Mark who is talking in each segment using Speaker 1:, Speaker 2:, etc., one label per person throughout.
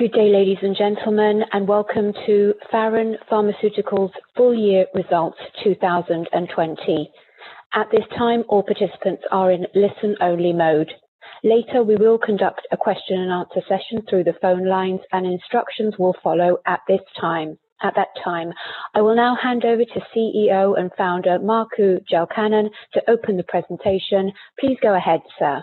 Speaker 1: Good day, ladies and gentlemen, and welcome to Faron Pharmaceuticals Full Year Results 2020. At this time, all participants are in listen-only mode. Later, we will conduct a question and answer session through the phone lines, and instructions will follow at that time. I will now hand over to CEO and Founder Markku Jalkanen to open the presentation. Please go ahead, sir.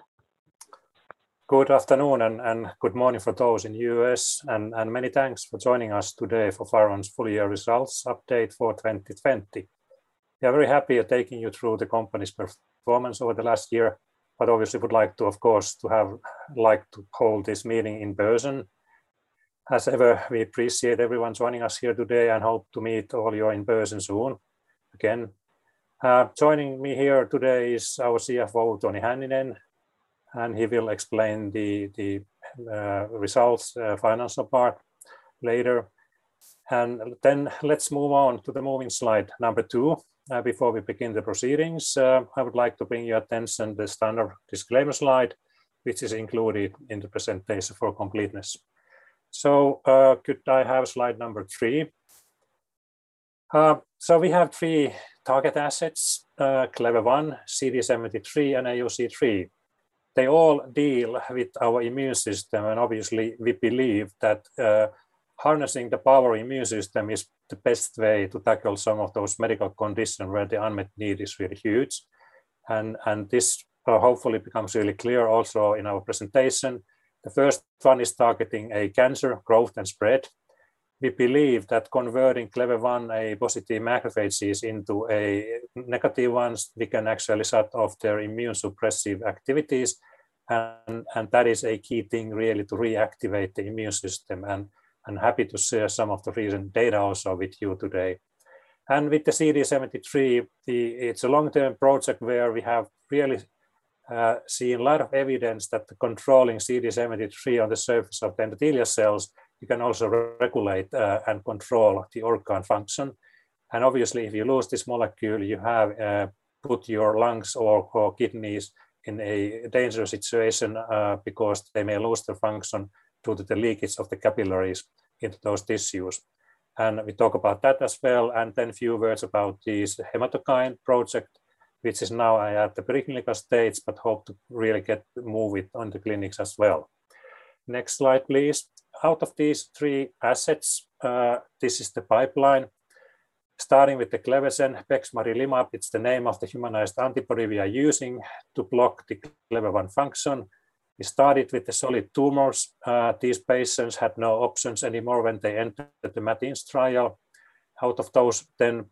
Speaker 2: Good afternoon, good morning for those in the U.S., many thanks for joining us today for Faron's full-year results update for 2020. We are very happy at taking you through the company's performance over the last year, obviously would like to, of course, to have liked to hold this meeting in person. As ever, we appreciate everyone joining us here today and hope to meet all you in person soon again. Joining me here today is our CFO, Toni Hänninen, he will explain the results financial part later. Let's move on to the moving slide number two. Before we begin the proceedings, I would like to bring your attention the standard disclaimer slide, which is included in the presentation for completeness. Could I have slide number three? We have three target assets, Clever-1, CD73, and AOC3. They all deal with our immune system. Obviously we believe that harnessing the power immune system is the best way to tackle some of those medical conditions where the unmet need is really huge. This hopefully becomes really clear also in our presentation. The first one is targeting a cancer growth and spread. We believe that converting Clever-1 a positive macrophages into a negative ones, we can actually shut off their immune suppressive activities, that is a key thing really to reactivate the immune system. Happy to share some of the recent data also with you today. With the CD73, it's a long-term project where we have really seen a lot of evidence that controlling CD73 on the surface of endothelial cells, you can also regulate and control the organ function. Obviously, if you lose this molecule, you have put your lungs or kidneys in a dangerous situation because they may lose their function due to the leakage of the capillaries into those tissues. We talk about that as well. A few words about this Haematokine project, which is now at the preclinical stage, but hope to really get to move it on the clinics as well. Next slide, please. Out of these three assets, this is the pipeline. Starting with the Clevegen, bexmarilimab, it's the name of the humanized antibody we are using to block the Clever-1 function. We started with the solid tumors. These patients had no options anymore when they entered the MATINS trial. Out of those 10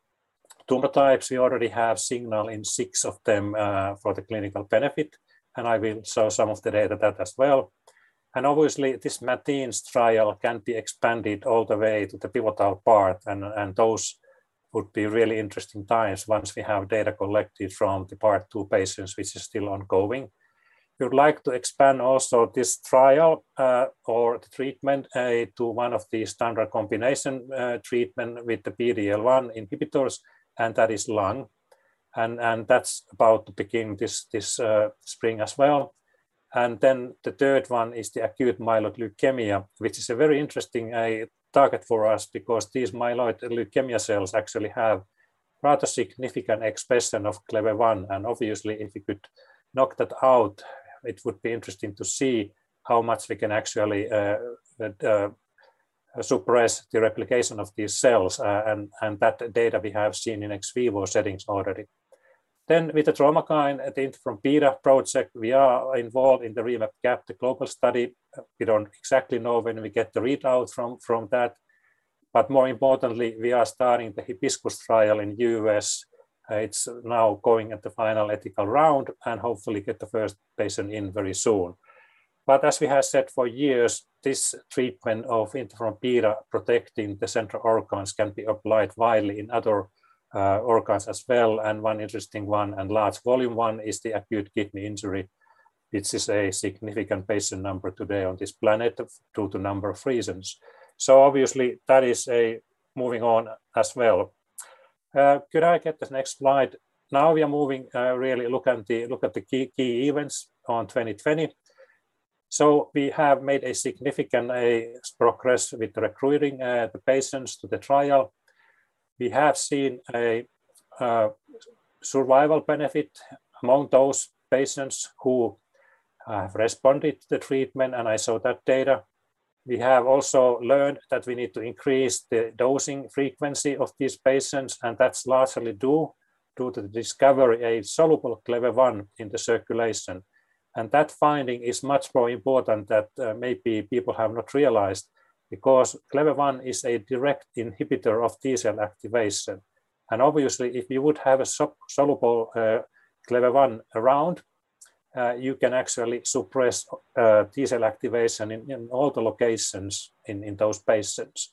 Speaker 2: tumor types, we already have signal in six of them for the clinical benefit. I will show some of the data of that as well. Obviously, this MATINS trial can be expanded all the way to the pivotal part, and those would be really interesting times once we have data collected from the Part II patients, which is still ongoing. We would like to expand also this trial or the treatment to one of the standard combination treatment with the PD-L1 inhibitors, and that is lung. That's about to begin this spring as well. Then the third one is the acute myeloid leukemia, which is a very interesting target for us because these myeloid leukemia cells actually have rather significant expression of Clever-1. Obviously if you could knock that out, it would be interesting to see how much we can actually suppress the replication of these cells, and that data we have seen in ex vivo settings already. With the Traumakine interferon beta project, we are involved in the REMAP-CAP, the global study. We don't exactly know when we get the readout from that. More importantly, we are starting the HIBISCUS trial in the U.S. It's now going at the final ethical round, and hopefully get the first patient in very soon. As we have said for years, this treatment of interferon beta protecting the central organs can be applied widely in other organs as well. One interesting one and large volume one is the acute kidney injury. This is a significant patient number today on this planet due to number of reasons. Obviously that is moving on as well. Could I get the next slide? Now we are moving, really look at the key events on 2020. We have made a significant progress with recruiting the patients to the trial. We have seen a survival benefit among those patients who have responded to the treatment, and I saw that data. We have also learned that we need to increase the dosing frequency of these patients, and that's largely due to the discovery a soluble Clever-1 in the circulation. That finding is much more important that maybe people have not realized because Clever-1 is a direct inhibitor of T-cell activation. Obviously if you would have a soluble Clever-1 around, you can actually suppress T-cell activation in all the locations in those patients.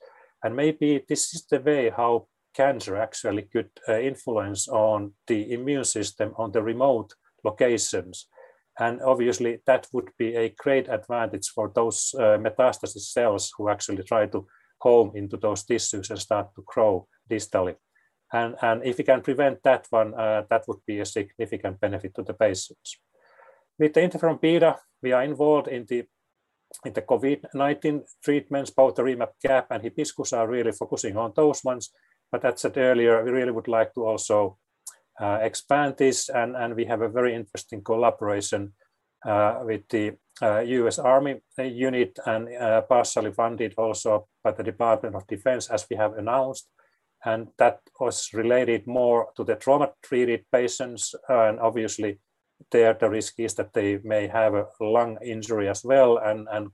Speaker 2: Maybe this is the way how cancer actually could influence on the immune system on the remote locations. Obviously that would be a great advantage for those metastasis cells who actually try to comb into those tissues and start to grow distally. If you can prevent that one, that would be a significant benefit to the patients. With the interferon beta, we are involved in the COVID-19 treatments, both the REMAP-CAP and HIBISCUS are really focusing on those ones. As said earlier, we really would like to also expand this, and we have a very interesting collaboration with the US Army unit and partially funded also by the Department of Defense, as we have announced. That was related more to the trauma treated patients. Obviously there the risk is that they may have a lung injury as well and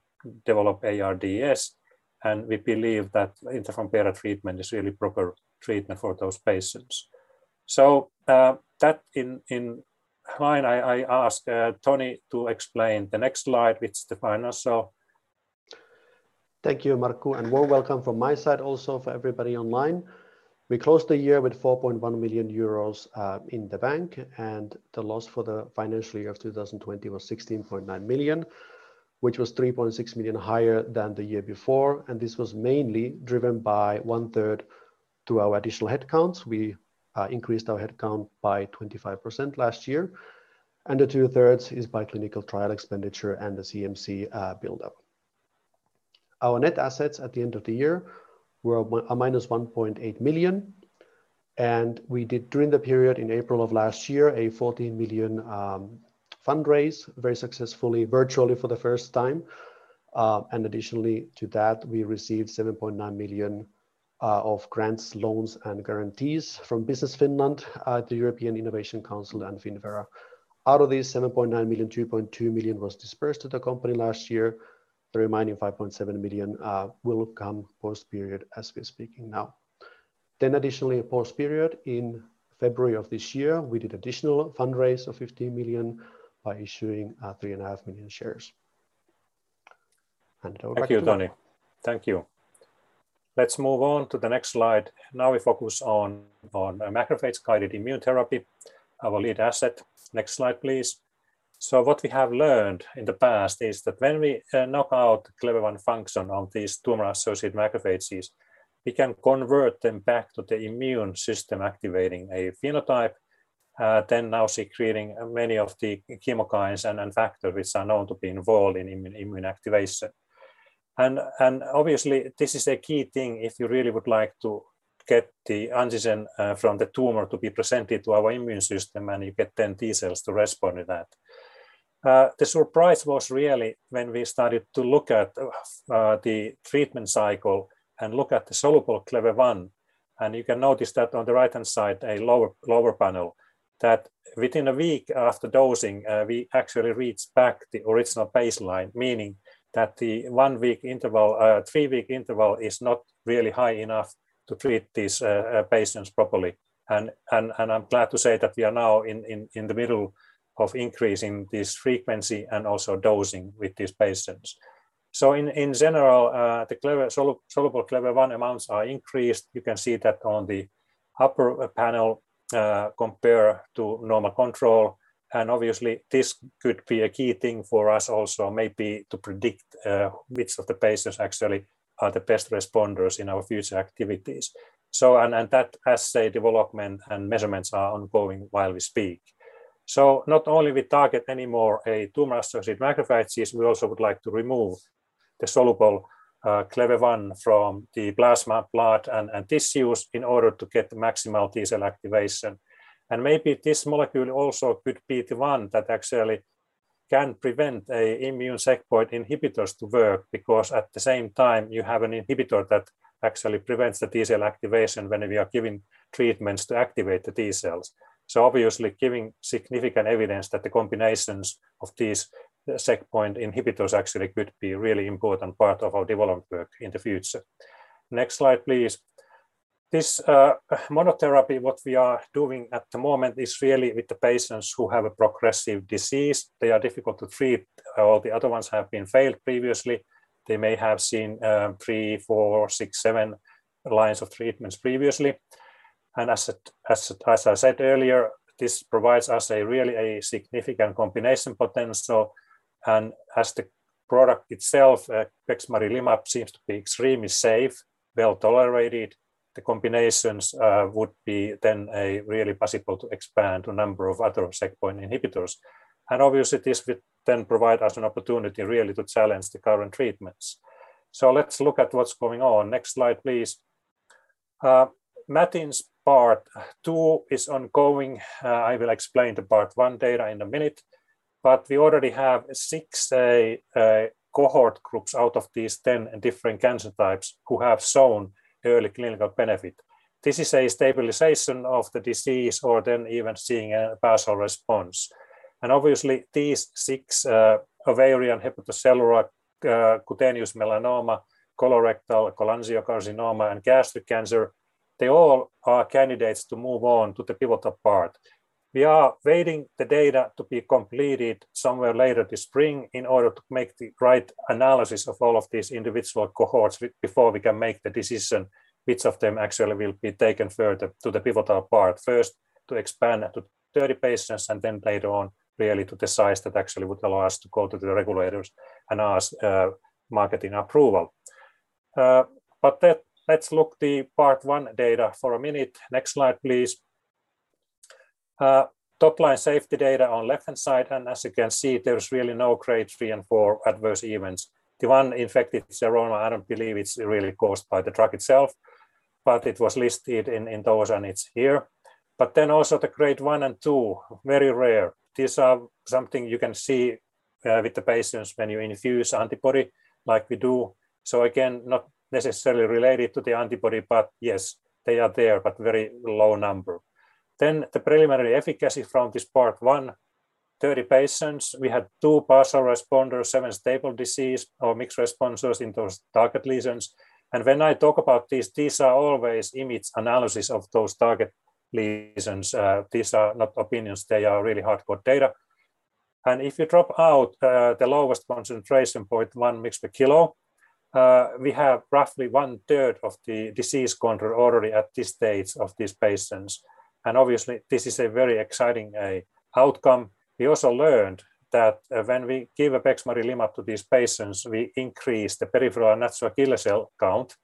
Speaker 2: develop ARDS. We believe that interferon beta treatment is really proper treatment for those patients. That in line, I ask Toni to explain the next slide, which is the final.
Speaker 3: Thank you, Markku. Warm welcome from my side also for everybody online. We closed the year with 4.1 million euros in the bank, and the loss for the financial year of 2020 was 16.9 million, which was 3.6 million higher than the year before. This was mainly driven by one third to our additional headcounts. We increased our headcount by 25% last year. The two thirds is by clinical trial expenditure and the CMC buildup. Our net assets at the end of the year were a -1.8 million, and we did during the period in April of last year, a 14 million fundraise very successfully, virtually for the first time. Additionally to that, we received 7.9 million of grants, loans, and guarantees from Business Finland, the European Innovation Council and Finnvera. Out of these 7.9 million, 2.2 million was dispersed to the company last year. The remaining 5.7 million will come post period as we are speaking now. Additionally post period in February of this year, we did additional fundraise of 15 million by issuing 3.5 million shares. Over back to you.
Speaker 2: Thank you, Toni. Thank you. Let's move on to the next slide. We focus on macrophage guided immune therapy, our lead asset. Next slide, please. What we have learned in the past is that when we knock out Clever-1 function on these tumor associated macrophages, we can convert them back to the immune system activating a phenotype, then now secreting many of the chemokines and factors which are known to be involved in immune activation. Obviously this is a key thing if you really would like to get the antigen from the tumor to be presented to our immune system, and you get then T cells to respond to that. The surprise was really when we started to look at the treatment cycle and look at the soluble Clever-1. You can notice that on the right hand side, a lower panel, that within a week after dosing, we actually reach back the original baseline. Meaning that the three-week interval is not really high enough to treat these patients properly. I'm glad to say that we are now in the middle of increasing this frequency and also dosing with these patients. In general, the soluble Clever-1 amounts are increased. You can see that on the upper panel compare to normal control. Obviously this could be a key thing for us also maybe to predict which of the patients actually are the best responders in our future activities. That assay development and measurements are ongoing while we speak. Not only we target any more a tumor associated macrophages, we also would like to remove the soluble Clever-1 from the plasma, blood, and tissues in order to get the maximal T cell activation. Maybe this molecule also could be the one that actually can prevent a immune checkpoint inhibitors to work, because at the same time you have an inhibitor that actually prevents the T cell activation whenever you are giving treatments to activate the T cells. Obviously giving significant evidence that the combinations of these checkpoint inhibitors actually could be a really important part of our development work in the future. Next slide, please. This monotherapy, what we are doing at the moment is really with the patients who have a progressive disease. They are difficult to treat. All the other ones have been failed previously. They may have seen three, four, six, seven lines of treatments previously. As I said earlier, this provides us a really a significant combination potential. As the product itself, bexmarilimab seems to be extremely safe, well tolerated, the combinations would be then a really possible to expand to a number of other checkpoint inhibitors. Obviously this would then provide us an opportunity really to challenge the current treatments. Let's look at what's going on. Next slide, please. MATINS Part II is ongoing. I will explain the Part I data in a minute, we already have six cohort groups out of these 10 different cancer types who have shown early clinical benefit. This is a stabilization of the disease or then even seeing a partial response. Obviously these six, ovarian, hepatocellular, cutaneous melanoma, colorectal, cholangiocarcinoma, and gastric cancer, they all are candidates to move on to the pivotal part. We are waiting the data to be completed somewhere later this spring in order to make the right analysis of all of these individual cohorts before we can make the decision which of them actually will be taken further to the pivotal part. First to expand to 30 patients and then later on really to the size that actually would allow us to go to the regulators and ask marketing approval. Let's look at the Part I data for a minute. Next slide, please. Top line safety data on left-hand side, and as you can see, there is really no grade three and four adverse events. The one infected seroma, I don't believe it's really caused by the drug itself, but it was listed in those, and it's here. Also the Grade 1 and 2, very rare. These are something you can see with the patients when you infuse antibody like we do. Again, not necessarily related to the antibody, but yes, they are there, but very low number. The preliminary efficacy from this part one, 30 patients. We had two partial responders, seven stable disease or mixed responses in those target lesions. When I talk about this, these are always image analysis of those target lesions. These are not opinions. They are really hardcore data. If you drop out the lowest concentration, 0.1 mg/kg, we have roughly one third of the disease control already at this stage of these patients. Obviously, this is a very exciting outcome. We also learned that when we give bexmarilimab to these patients, we increase the peripheral natural killer cell count.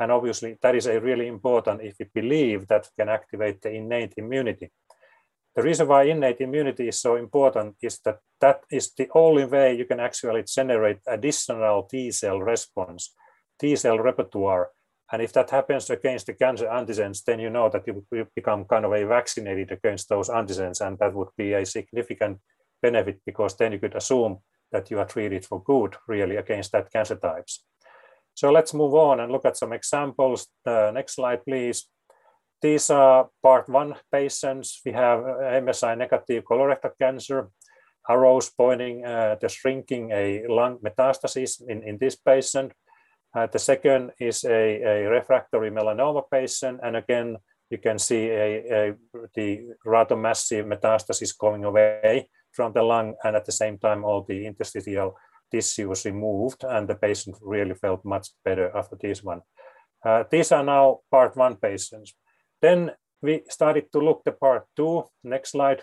Speaker 2: Obviously, that is really important if we believe that we can activate the innate immunity. The reason why innate immunity is so important is that that is the only way you can actually generate additional T cell response, T cell repertoire. If that happens against the cancer antigens, you know that you become kind of vaccinated against those antigens, that would be a significant benefit because then you could assume that you are treated for good, really, against that cancer types. Let's move on and look at some examples. Next slide, please. These are Part I patients. We have MSI negative colorectal cancer. Arrows pointing the shrinking lung metastasis in this patient. The second is a refractory melanoma patient. Again, you can see the rather massive metastasis going away from the lung, and at the same time, all the interstitial tissue was removed, and the patient really felt much better after this one. These are now Part I patients. We started to look at Part II. Next slide.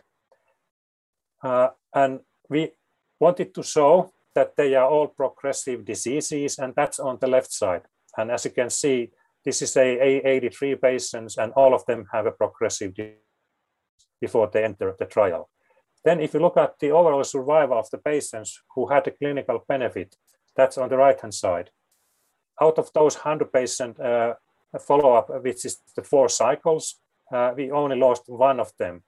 Speaker 2: We wanted to show that they are all progressive diseases, and that's on the left side. As you can see, this is 83 patients, and all of them have a progressive disease before they enter the trial. If you look at the overall survival of the patients who had a clinical benefit, that's on the right-hand side. Out of those 100 patient follow-up, which is the four cycles, we only lost one of them.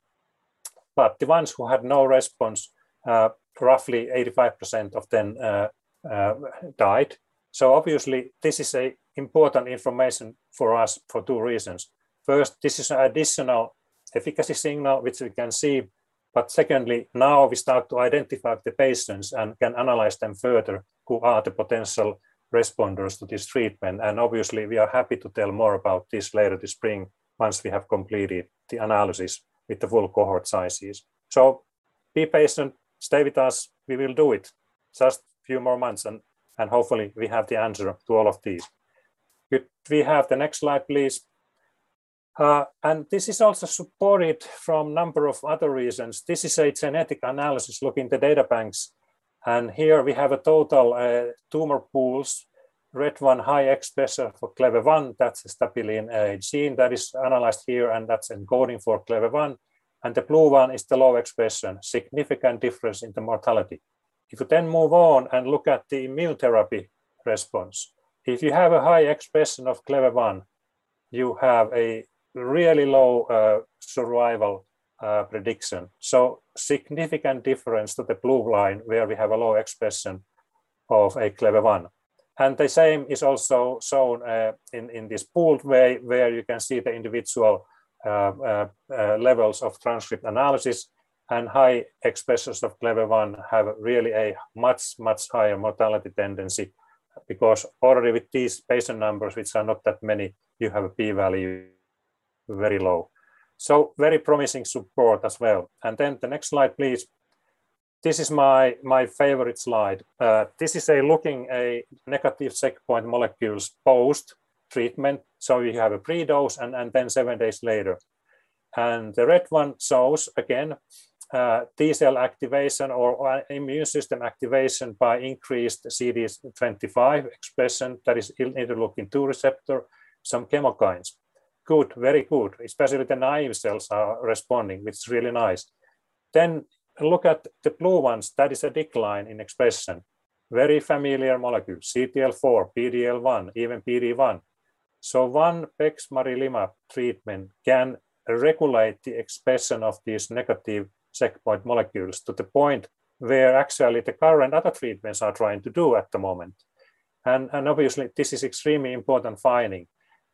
Speaker 2: The ones who had no response, roughly 85% of them died. Obviously, this is important information for us for two reasons. First, this is an additional efficacy signal, which we can see. Secondly, now we start to identify the patients and can analyze them further who are the potential responders to this treatment. Obviously, we are happy to tell more about this later this spring once we have completed the analysis with the full cohort sizes. Be patient, stay with us. We will do it. Just a few more months, and hopefully, we have the answer to all of these. Could we have the next slide, please? This is also supported from number of other reasons. This is a genetic analysis looking at the data banks. Here we have a total tumor pools. Red one, high expression for Clever-1. That's a stabilin gene that is analyzed here, and that's encoding for Clever-1. The blue one is the low expression. Significant difference in the mortality. If you then move on and look at the immune therapy response. If you have a high expression of Clever-1, you have a really low survival prediction. Significant difference to the blue line, where we have a low expression of a Clever-1. The same is also shown in this pooled way, where you can see the individual levels of transcript analysis, and high expressions of Clever-1 have really a much, much higher mortality tendency, because already with these patient numbers, which are not that many, you have a p-value very low. Very promising support as well. The next slide, please. This is my favorite slide. This is looking at negative checkpoint molecules post-treatment. We have a pre-dose and then seven days later. The red one shows, again, T-cell activation or immune system activation by increased CD25 expression. That is interleukin-2 receptor, some chemokines. Good. Very good. Especially the naive cells are responding, which is really nice. Look at the blue ones. That is a decline in expression. Very familiar molecule, CTLA4, PD-L1, even PD-1. One bexmarilimab treatment can regulate the expression of these negative checkpoint molecules to the point where actually the current other treatments are trying to do at the moment. Obviously, this is extremely important finding.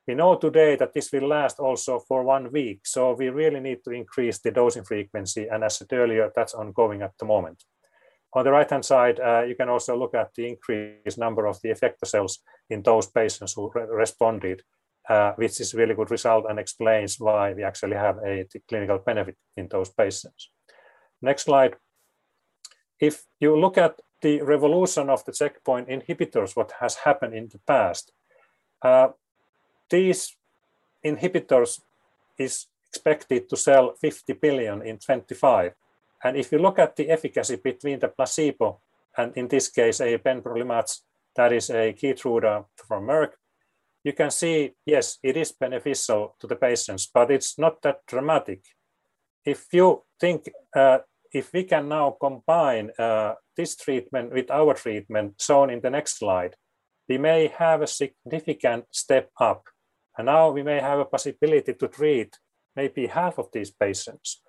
Speaker 2: We know today that this will last also for one week, so we really need to increase the dosing frequency. As said earlier, that's ongoing at the moment. On the right-hand side, you can also look at the increased number of the effector cells in those patients who responded, which is really good result and explains why we actually have a clinical benefit in those patients. Next slide. If you look at the revolution of the checkpoint inhibitors, what has happened in the past. These inhibitors are expected to sell 50 billion in 2025. If you look at the efficacy between the placebo and in this case a pembrolizumab, that is a KEYTRUDA from Merck, you can see, yes, it is beneficial to the patients, but it's not that dramatic. If we can now combine this treatment with our treatment shown in the next slide, we may have a significant step up, and now we may have a possibility to treat maybe half of these patients.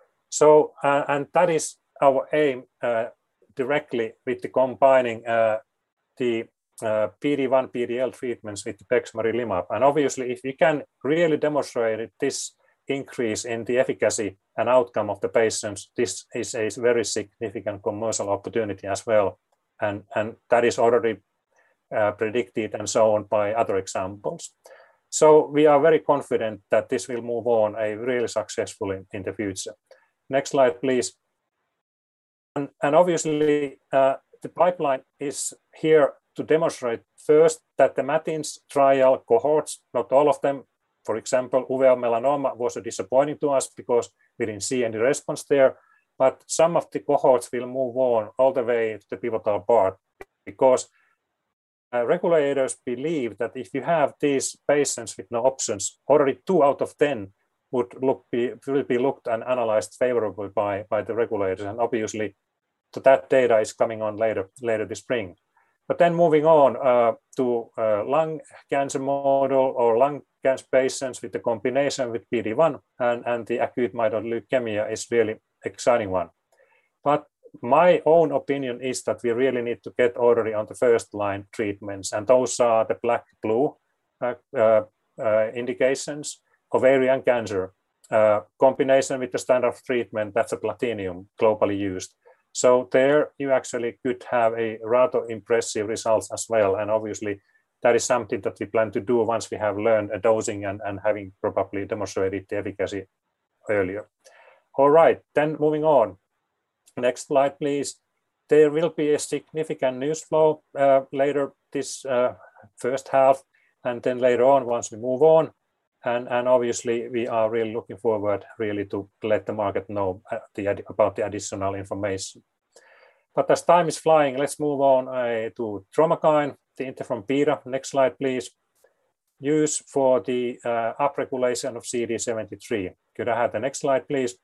Speaker 2: That is our aim directly with the combining the PD-1, PD-L1 treatments with the bexmarilimab. Obviously, if we can really demonstrate this increase in the efficacy and outcome of the patients, this is a very significant commercial opportunity as well, and that is already predicted and so on by other examples. We are very confident that this will move on really successfully in the future. Next slide, please. Obviously, the pipeline is here to demonstrate first that the MATINS trial cohorts, not all of them. For example, uveal melanoma was disappointing to us because we didn't see any response there. Some of the cohorts will move on all the way to the pivotal part because regulators believe that if you have these patients with no options, already two out of 10 will be looked and analyzed favorably by the regulators. Obviously, that data is coming on later this spring. Moving on to lung cancer model or lung cancer patients with the combination with PD-1, and the acute myeloid leukemia is really exciting one. My own opinion is that we really need to get already on the first-line treatments, and those are the black-blue indications. Ovarian cancer, combination with the standard of treatment, that's a platinum globally used. There you actually could have a rather impressive results as well. Obviously, that is something that we plan to do once we have learned a dosing and having probably demonstrated the efficacy earlier. All right, moving on. Next slide, please. There will be a significant news flow later this first half, and then later on once we move on, and obviously, we are really looking forward to let the market know about the additional information. As time is flying, let's move on to Traumakine, the interferon beta. Next slide, please. Use for the upregulation of CD73. Could I have the next slide, please?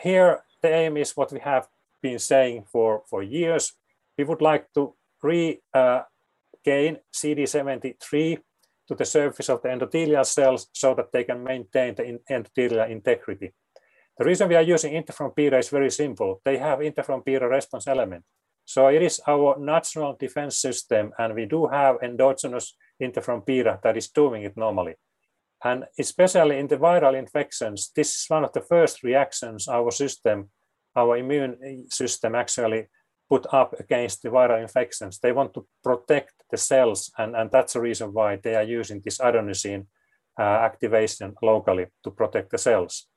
Speaker 2: Here the aim is what we have been saying for years. We would like to regain CD73 to the surface of the endothelial cells so that they can maintain the endothelial integrity. The reason we are using interferon beta is very simple. They have interferon beta response element. It is our natural defense system, and we do have endogenous interferon beta that is doing it normally. Especially in the viral infections, this is one of the first reactions our immune system actually put up against the viral infections. They want to protect the cells, and that's the reason why they are using this adenosine activation locally to protect the cells.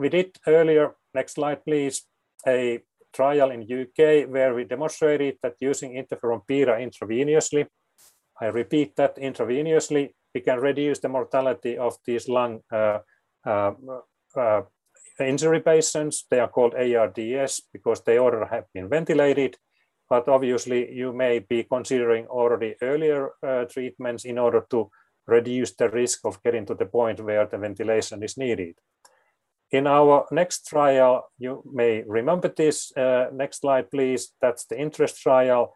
Speaker 2: We did earlier, next slide please, a trial in U.K. where we demonstrated that using interferon beta intravenously, I repeat that, intravenously, we can reduce the mortality of these lung injury patients. They are called ARDS because they already have been ventilated. Obviously, you may be considering already earlier treatments in order to reduce the risk of getting to the point where the ventilation is needed. In our next trial, you may remember this, next slide, please. That's the INTEREST trial.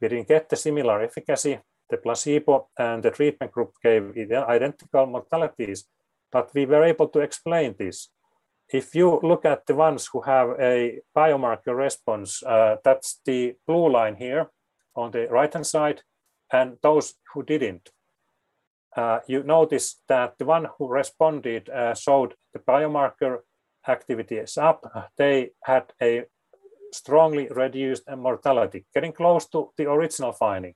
Speaker 2: We didn't get the similar efficacy. The placebo and the treatment group gave identical mortalities. We were able to explain this. If you look at the ones who have a biomarker response, that's the blue line here on the right-hand side, and those who didn't. You notice that the one who responded showed the biomarker activity is up. They had a strongly reduced mortality, getting close to the original finding.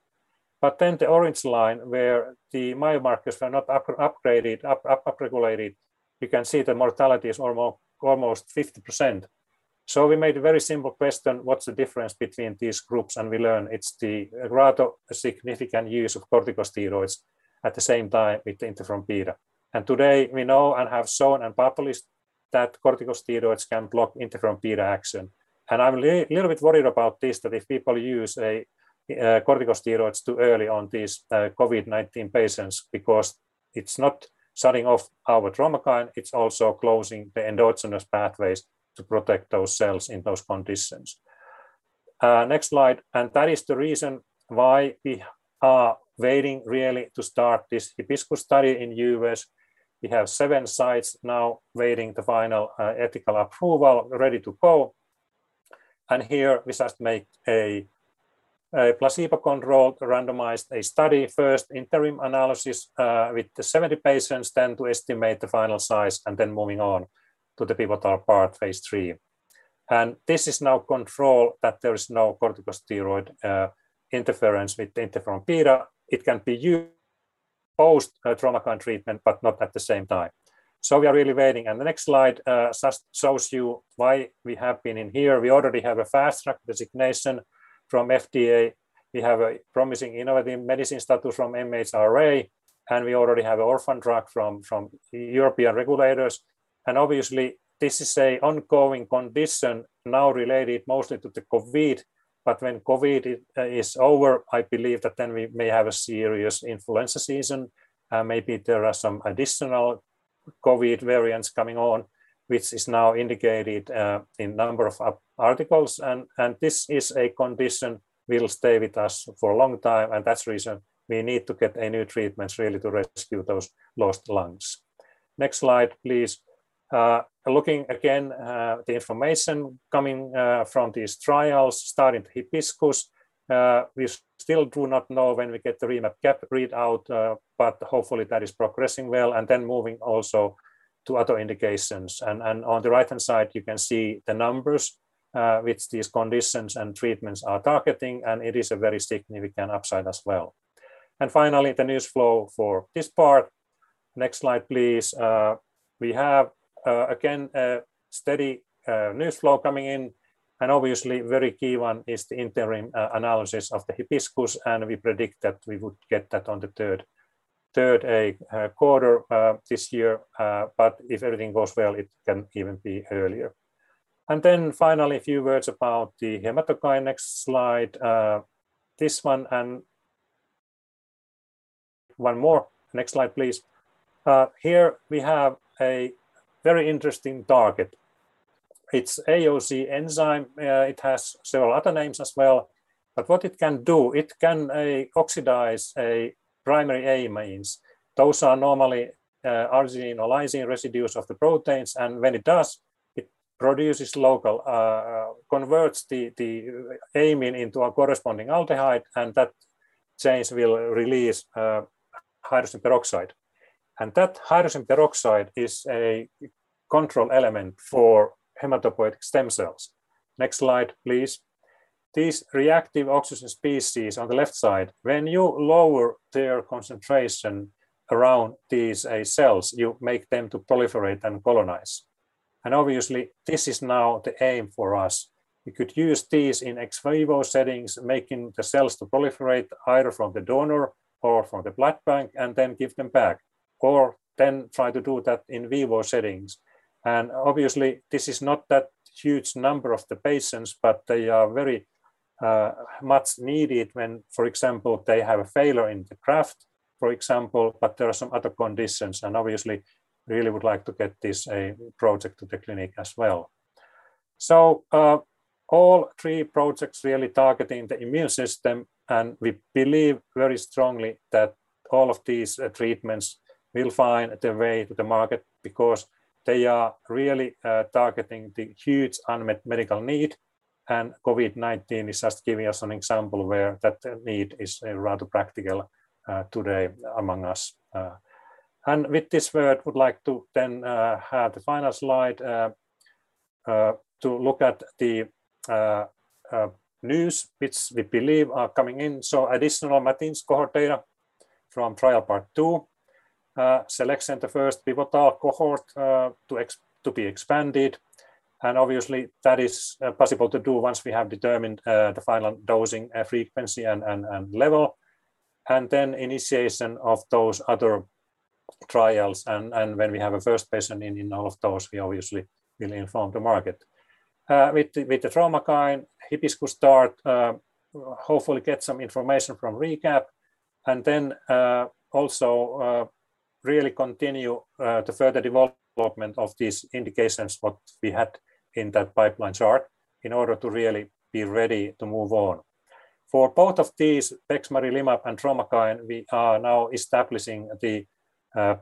Speaker 2: The orange line, where the biomarkers were not upregulated, you can see the mortality is almost 50%. We made a very simple question, what's the difference between these groups? We learn it's the rather significant use of corticosteroids at the same time with the interferon beta. Today we know and have shown and published that corticosteroids can block interferon beta action. I'm a little bit worried about this, that if people use corticosteroids too early on these COVID-19 patients, because it's not shutting off our Traumakine, it's also closing the endogenous pathways to protect those cells in those conditions. Next slide. That is the reason why we are waiting really to start this HIBISCUS study in U.S. We have seven sites now waiting the final ethical approval, ready to go. Here we just make a placebo-controlled randomized study. First interim analysis with the 70 patients, to estimate the final size, moving on to the pivotal part, phase III. This is now control that there is no corticosteroid interference with the interferon beta. It can be used post-Traumakine treatment, but not at the same time. We are really waiting. The next slide shows you why we have been in here. We already have a fast track designation from FDA. We have a Promising Innovative Medicine status from MHRA, we already have orphan drug from European regulators. Obviously this is a ongoing condition now related mostly to the COVID, when COVID is over, I believe that we may have a serious influenza season. Maybe there are some additional COVID variants coming on, which is now indicated in number of articles. This is a condition will stay with us for a long time, that's reason we need to get a new treatments really to rescue those lost lungs. Next slide, please. Looking again, the information coming from these trials starting HIBISCUS. We still do not know when we get the REMAP-CAP read out, but hopefully that is progressing well. Then moving also to other indications. On the right-hand side, you can see the numbers, which these conditions and treatments are targeting, and it is a very significant upside as well. Finally, the news flow for this part. Next slide, please. We have, again, a steady news flow coming in, and obviously very key one is the interim analysis of the HIBISCUS, and we predict that we would get that on the third quarter this year. If everything goes well, it can even be earlier. Finally, a few words about the Haematokine. Next slide. This one and one more. Next slide, please. Here we have a very interesting target. It's AOC3 enzyme. It has several other names as well. What it can do, it can oxidize primary amines. Those are normally arginine or lysine residues of the proteins. When it does, it produces local, converts the amine into a corresponding aldehyde, and that change will release hydrogen peroxide. That hydrogen peroxide is a control element for hematopoietic stem cells. Next slide, please. These reactive oxygen species on the left side, when you lower their concentration around these cells, you make them to proliferate and colonize. Obviously, this is now the aim for us. We could use these in ex vivo settings, making the cells to proliferate either from the donor or from the blood bank, and then give them back. Try to do that in vivo settings. Obviously this is not that huge number of the patients, but they are very much needed when, for example, they have a failure in the graft, for example, but there are some other conditions and obviously really would like to get this project to the clinic as well. All three projects really targeting the immune system, and we believe very strongly that all of these treatments will find their way to the market because they are really targeting the huge unmet medical need. COVID-19 is just giving us an example where that need is rather practical today among us. With this word, would like to then have the final slide to look at the news which we believe are coming in. Additional MATINS cohort data from trial Part II. Selection of the first pivotal cohort to be expanded. Obviously that is possible to do once we have determined the final dosing frequency and level. Then initiation of those other trials, and when we have a first patient in all of those, we obviously will inform the market. With the Traumakine, HIBISCUS start, hopefully get some information from REMAP-CAP, and then also really continue the further development of these indications, what we had in that pipeline chart in order to really be ready to move on. For both of these, bexmarilimab and Traumakine, we are now establishing the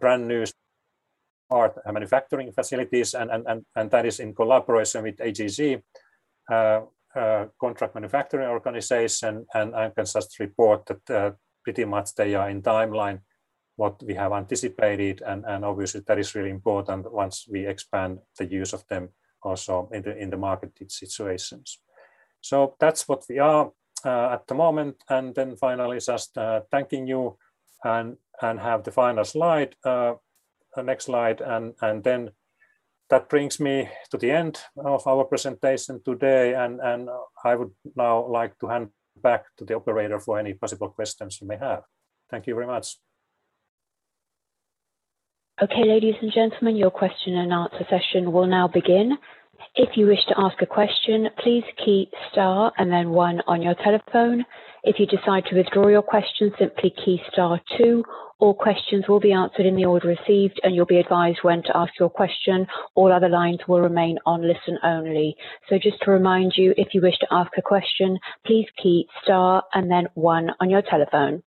Speaker 2: brand new state-of-the-art manufacturing facilities and that is in collaboration with AGC, contract manufacturing organization. I can just report that pretty much they are in timeline what we have anticipated. Obviously that is really important once we expand the use of them also in the market situations. That's what we are at the moment. Finally, just thanking you and have the final slide. Next slide. That brings me to the end of our presentation today, and I would now like to hand back to the operator for any possible questions you may have. Thank you very much.
Speaker 1: Okay. Ladies and gentlemen, your question-and-answer session will now begin. If you wish to ask a question please key star and then one on your telephone. If you decide to withdraw your question simply key star two. All questions will be answered in the order received and you will be advised when to ask your question. All other lines will remain in listen-only. Just to remind you, if you wish to ask a question please key star and then one on your telephone.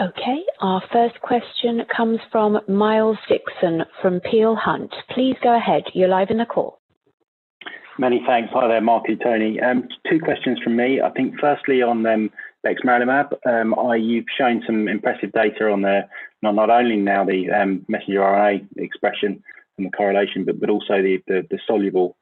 Speaker 1: Okay, our first question comes from Miles Dixon from Peel Hunt. Please go ahead. You're live in the call.
Speaker 4: Many thanks. Hi there, Markku and Toni. Two questions from me. I think firstly on the bexmarilimab, you've shown some impressive data on the, not only now the messenger RNA expression and the correlation, but also the soluble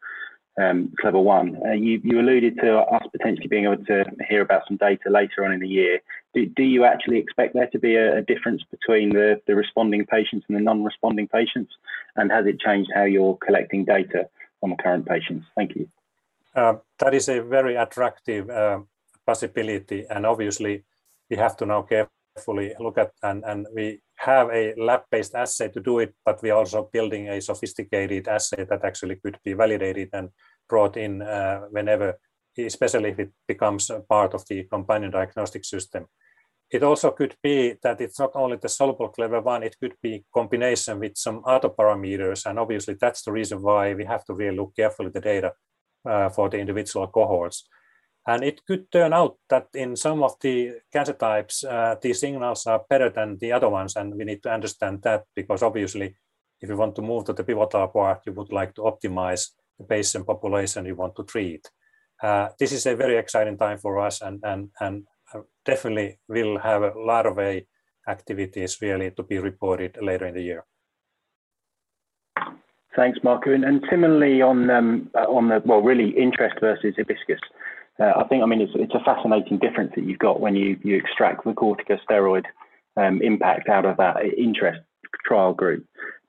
Speaker 4: Clever-1. You alluded to us potentially being able to hear about some data later on in the year. Do you actually expect there to be a difference between the responding patients and the non-responding patients? Has it changed how you're collecting data from current patients? Thank you.
Speaker 2: That is a very attractive possibility. Obviously, we have to now carefully look at it. We have a lab-based assay to do it. We are also building a sophisticated assay that actually could be validated and brought in whenever, especially if it becomes a part of the companion diagnostic system. It also could be that it is not only the soluble Clever-1. It could be combination with some other parameters. Obviously, that is the reason why we have to really look carefully at the data for the individual cohorts. It could turn out that in some of the cancer types, these signals are better than the other ones. We need to understand that because obviously if you want to move to the pivotal part, you would like to optimize the patient population you want to treat. This is a very exciting time for us and definitely we'll have a lot of activities really to be reported later in the year.
Speaker 4: Thanks, Markku. Similarly on the, well, really INTEREST trial versus HIBISCUS. It's a fascinating difference that you've got when you extract the corticosteroid impact out of that INTEREST trial group.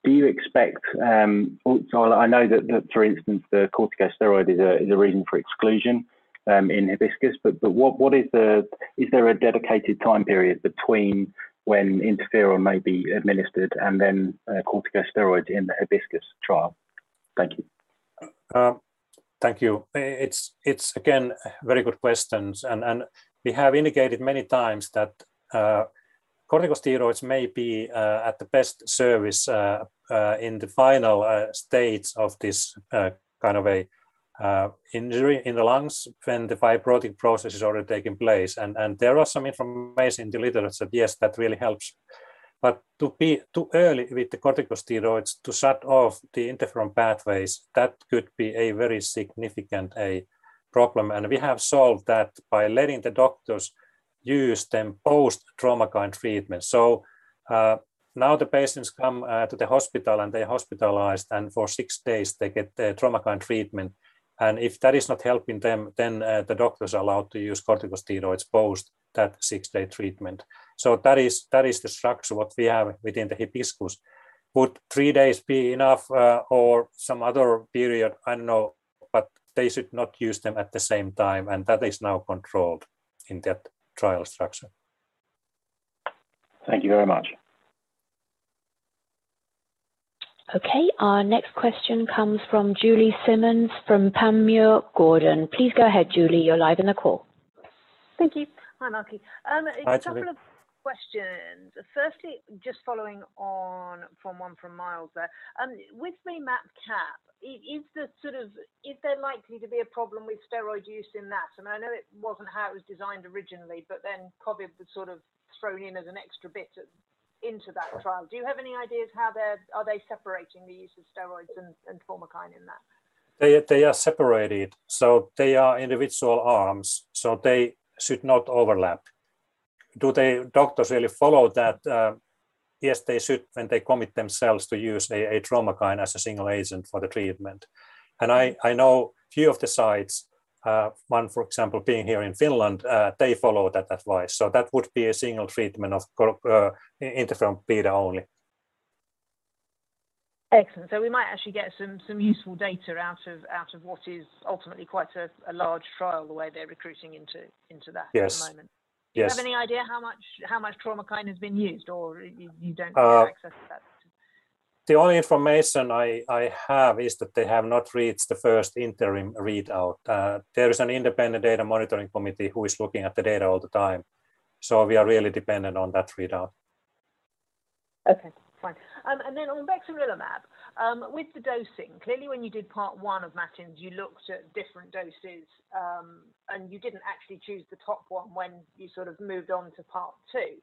Speaker 4: I know that, for instance, the corticosteroid is a reason for exclusion in HIBISCUS, but is there a dedicated time period between when interferon beta may be administered and then corticosteroid in the HIBISCUS trial? Thank you.
Speaker 2: Thank you. It's again, very good questions. We have indicated many times that corticosteroids may be at the best service in the final stage of this kind of an injury in the lungs when the fibrotic process is already taking place. There are some information in the literature that, yes, that really helps. To be too early with the corticosteroids to shut off the interferon pathways, that could be a very significant problem. We have solved that by letting the doctors use them post-Traumakine treatment. Now the patients come to the hospital, and they're hospitalized, and for six days they get the Traumakine treatment. If that is not helping them, then the doctors are allowed to use corticosteroids post that six-day treatment. That is the structure what we have within the HIBISCUS. Would three days be enough or some other period? I don't know, but they should not use them at the same time, and that is now controlled in that trial structure.
Speaker 4: Thank you very much.
Speaker 1: Okay. Our next question comes from Julie Simmonds from Panmure Gordon. Please go ahead, Julie. You are live in the call.
Speaker 5: Thank you. Hi, Markku.
Speaker 2: Hi, Julie.
Speaker 5: A couple of questions. Firstly, just following on from one from Miles there. With REMAP-CAP, is there likely to be a problem with steroid use in that? I know it wasn't how it was designed originally, but then COVID was sort of thrown in as an extra bit into that trial. Do you have any ideas how are they separating the use of steroids and Traumakine in that?
Speaker 2: They are separated. They are individual arms, so they should not overlap. Do the doctors really follow that? Yes, they should, and they commit themselves to use a Traumakine as a single agent for the treatment. I know a few of the sites, one, for example, being here in Finland, they follow that advice. That would be a single treatment of interferon beta only.
Speaker 5: Excellent. We might actually get some useful data out of what is ultimately quite a large trial, the way they're recruiting into that at the moment.
Speaker 2: Yes.
Speaker 5: Do you have any idea how much Traumakine has been used, or you don't have access to that?
Speaker 2: The only information I have is that they have not reached the first interim readout. There is an independent data monitoring committee who is looking at the data all the time. We are really dependent on that readout.
Speaker 5: Okay, fine. Then on bexmarilimab. With the dosing, clearly when you did part one of MATINS, you looked at different doses, and you didn't actually choose the top one when you moved on to part two.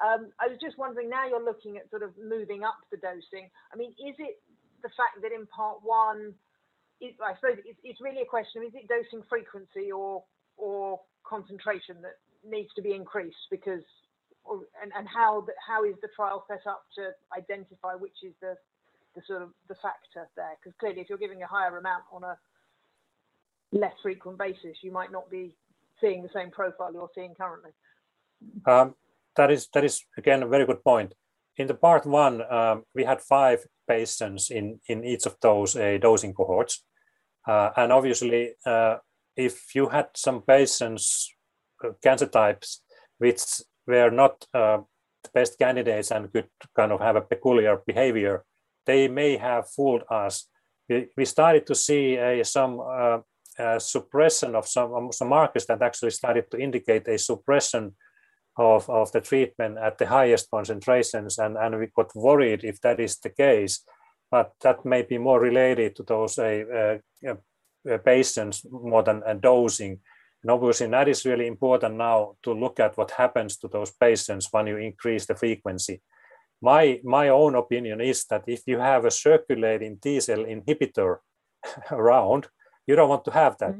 Speaker 5: I was just wondering, now you're looking at moving up the dosing. Is it the fact that in part one I suppose it's really a question of is it dosing frequency or concentration that needs to be increased? How is the trial set up to identify which is the factor there? Because clearly, if you're giving a higher amount on a less frequent basis, you might not be seeing the same profile you're seeing currently.
Speaker 2: That is, again, a very good point. In the part one, we had five patients in each of those dosing cohorts. Obviously, if you had some patients, cancer types, which were not the best candidates and could kind of have a peculiar behavior, they may have fooled us. We started to see some suppression of some markers that actually started to indicate a suppression of the treatment at the highest concentrations, and we got worried if that is the case. That may be more related to those patients more than dosing. Obviously, that is really important now to look at what happens to those patients when you increase the frequency. My own opinion is that if you have a circulating T cell inhibitor around, you don't want to have that.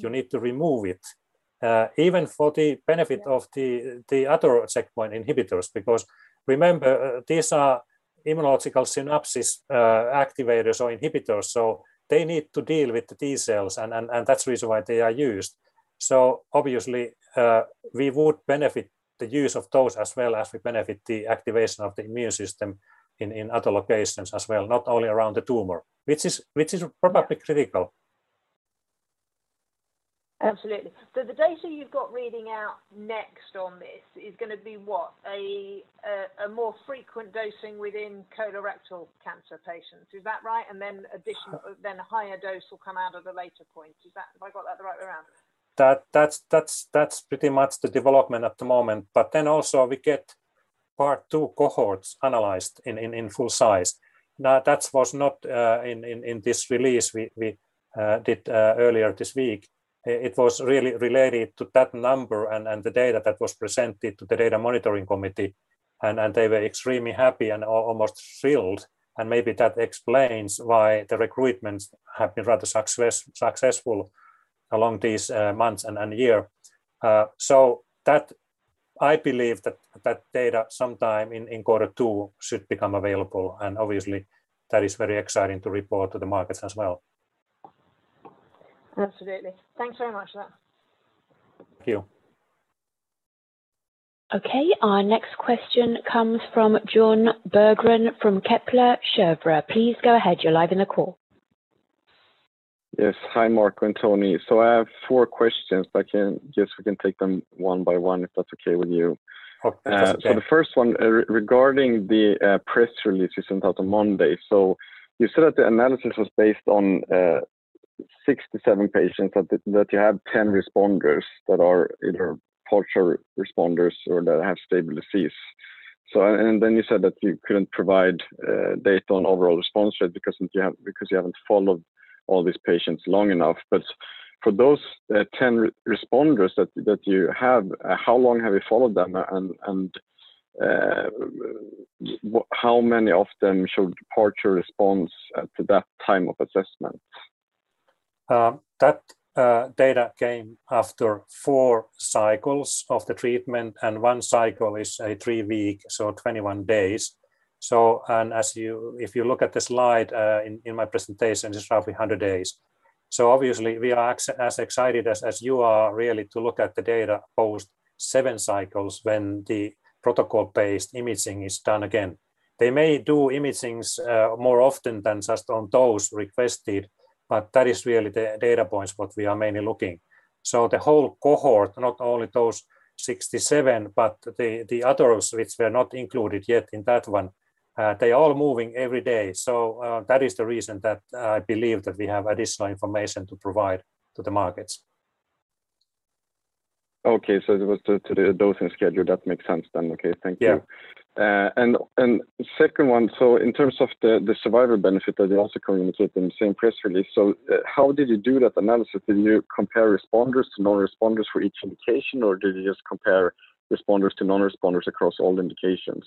Speaker 2: Even for the benefit of the other checkpoint inhibitors, because remember, these are immunological synapse activators or inhibitors, so they need to deal with the T cells, and that's the reason why they are used. Obviously, we would benefit the use of those as well as we benefit the activation of the immune system in other locations as well, not only around the tumor, which is probably critical.
Speaker 5: Absolutely. The data you've got reading out next on this is going to be what? A more frequent dosing within colorectal cancer patients, is that right? A higher dose will come out at a later point. Have I got that the right way around?
Speaker 2: That's pretty much the development at the moment. Also we get Part II cohorts analyzed in full size. That was not in this release we did earlier this week. It was really related to that number and the data that was presented to the data monitoring committee, and they were extremely happy and almost thrilled. Maybe that explains why the recruitments have been rather successful along these months and year. I believe that data sometime in quarter two should become available. Obviously, that is very exciting to report to the markets as well.
Speaker 5: Absolutely. Thanks very much for that.
Speaker 2: Thank you.
Speaker 1: Okay. Our next question comes from Jon Berggren from Kepler Cheuvreux. Please go ahead. You're live in the call.
Speaker 6: Yes. Hi, Markku and Toni. I have four questions, but I guess we can take them one by one if that's okay with you.
Speaker 2: Okay.
Speaker 6: The first one regarding the press release you sent out on Monday. You said that the analysis was based on 67 patients, that you have 10 responders that are either partial responders or that have stable disease. You said that you couldn't provide data on overall response rate because you haven't followed all these patients long enough. For those 10 responders that you have, how long have you followed them, and how many of them showed partial response at the time of assessment?
Speaker 2: That data came after four cycles of the treatment, and one cycle is a three week, so 21 days. If you look at the slide in my presentation, it's roughly 100 days. Obviously we are as excited as you are really to look at the data post seven cycles when the protocol-based imaging is done again. They may do imagings more often than just on those requested, but that is really the data points what we are mainly looking. The whole cohort, not only those 67, but the others which were not included yet in that one, they all moving every day. That is the reason that I believe that we have additional information to provide to the markets.
Speaker 6: Okay. It was to the dosing schedule. That makes sense then. Okay. Thank you.
Speaker 2: Yeah.
Speaker 6: Second one, in terms of the survivor benefit that you also communicated in the same press release, how did you do that analysis? Did you compare responders to non-responders for each indication, or did you just compare responders to non-responders across all indications?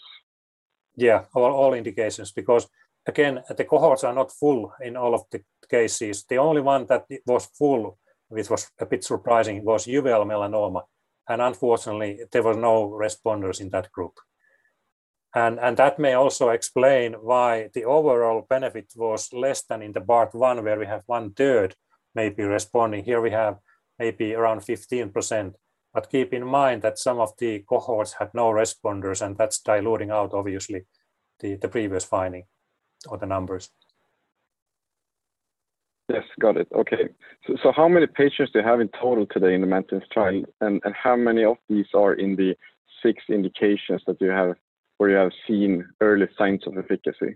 Speaker 2: All indications, because again, the cohorts are not full in all of the cases. The only one that was full, which was a bit surprising, was uveal melanoma, unfortunately, there were no responders in that group. That may also explain why the overall benefit was less than in the Part I, where we have one third maybe responding. Here we have maybe around 15%. Keep in mind that some of the cohorts had no responders, and that's diluting out, obviously, the previous finding or the numbers.
Speaker 6: Yes. Got it. Okay. How many patients do you have in total today in the MATINS trial, and how many of these are in the six indications where you have seen early signs of efficacy?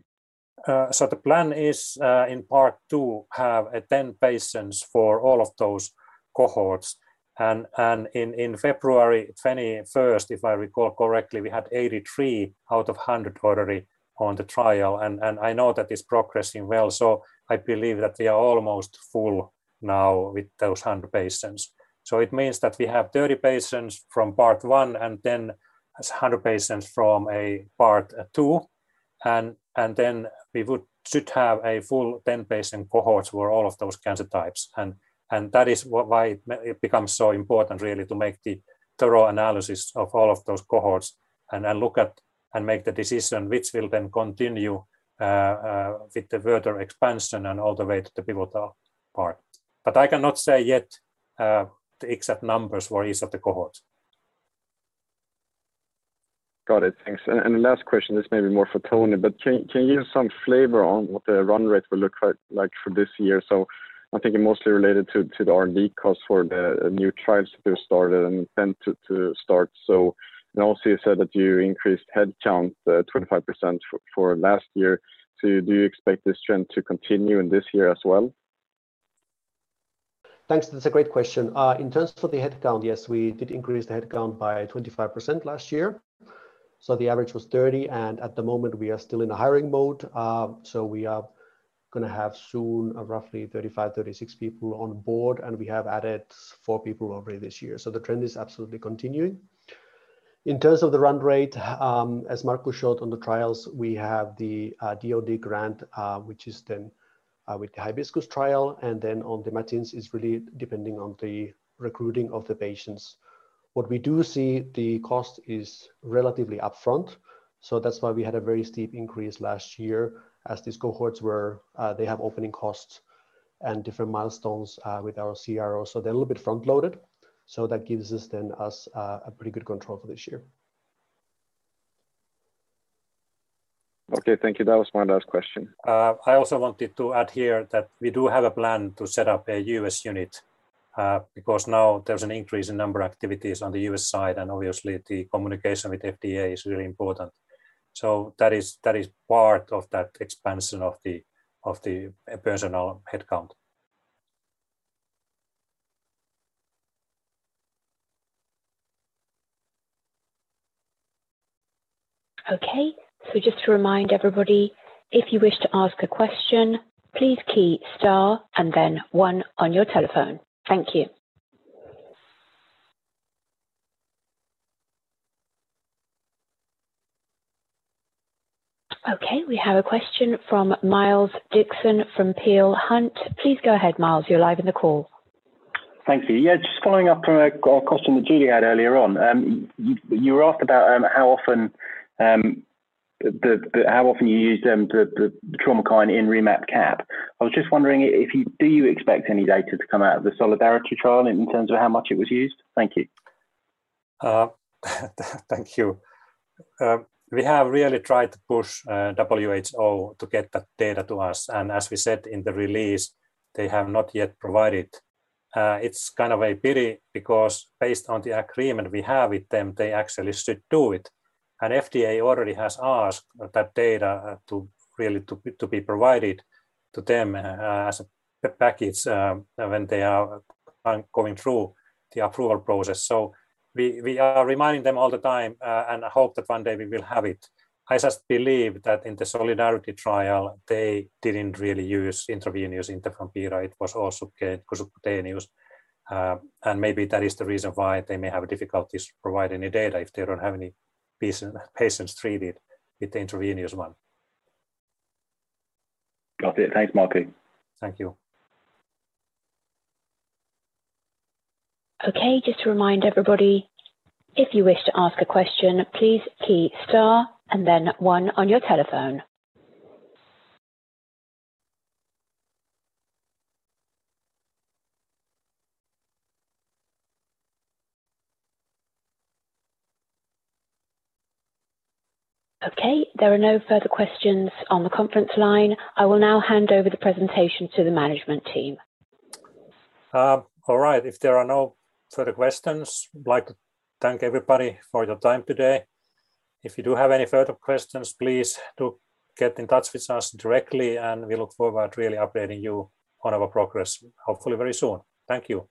Speaker 2: The plan is, in part two, have 10 patients for all of those cohorts. In February 21st, if I recall correctly, we had 83 out of 100 already on the trial. I know that it's progressing well, so I believe that we are almost full now with those 100 patients. It means that we have 30 patients from Part 1 and then 100 patients from Part II, and then we should have a full 10-patient cohorts for all of those cancer types. That is why it becomes so important, really, to make the thorough analysis of all of those cohorts and then look at and make the decision, which will then continue with the further expansion and all the way to the pivotal part. I cannot say yet the exact numbers for each of the cohorts.
Speaker 6: Got it. Thanks. The last question, this may be more for Toni, but can you give some flavor on what the run rate will look like for this year? I think it mostly related to the R&D cost for the new trials that you started and intend to start. Also you said that you increased headcount 25% for last year. Do you expect this trend to continue in this year as well?
Speaker 3: Thanks. That's a great question. In terms of the headcount, yes, we did increase the headcount by 25% last year. The average was 30, and at the moment we are still in a hiring mode. We are going to have soon roughly 35, 36 people on board, and we have added four people already this year. The trend is absolutely continuing. In terms of the run rate, as Markku showed on the trials, we have the DoD grant, which is then with the HIBISCUS trial, and then on the MATINS is really depending on the recruiting of the patients. What we do see, the cost is relatively upfront, so that's why we had a very steep increase last year, as these cohorts have opening costs and different milestones with our CRO. They're a little bit front-loaded. That gives us then a pretty good control for this year.
Speaker 6: Okay, thank you. That was my last question.
Speaker 2: I also wanted to add here that we do have a plan to set up a U.S. unit, because now there's an increase in number activities on the U.S. side, and obviously the communication with FDA is really important. That is part of that expansion of the personal headcount.
Speaker 1: Okay. Just to remind everybody, if you wish to ask a question, please key star and then one on your telephone. Thank you. Okay, we have a question from Miles Dixon from Peel Hunt. Please go ahead, Miles. You are live in the call.
Speaker 4: Thank you. Just following up on a question that Julie had earlier on. You were asked about how often you use the Traumakine in REMAP-CAP. I was just wondering, do you expect any data to come out of the Solidarity Trial in terms of how much it was used? Thank you.
Speaker 2: Thank you. We have really tried to push WHO to get that data to us, as we said in the release, they have not yet provided. It's kind of a pity because based on the agreement we have with them, they actually should do it. FDA already has asked that data to be provided to them as a package when they are going through the approval process. We are reminding them all the time, and I hope that one day we will have it. I just believe that in the Solidarity Trial, they didn't really use intravenous interferon beta. It was all subcutaneous. Maybe that is the reason why they may have difficulties providing the data, if they don't have any patients treated with the intravenous one.
Speaker 4: Got it. Thanks, Markku.
Speaker 2: Thank you.
Speaker 1: Okay, just to remind everybody, if you wish to ask a question, please key star and then one on your telephone. Okay, there are no further questions on the conference line. I will now hand over the presentation to the management team.
Speaker 2: All right. If there are no further questions, I'd like to thank everybody for your time today. If you do have any further questions, please do get in touch with us directly, and we look forward to really updating you on our progress, hopefully very soon. Thank you.